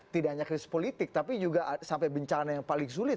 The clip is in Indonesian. tidak hanya krisis politik tapi juga sampai bencana yang paling sulit